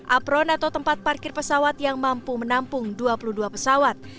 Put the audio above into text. apron atau tempat parkir pesawat yang mampu menampung dua puluh dua pesawat